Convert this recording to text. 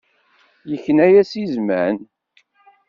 Yekna-as i zman.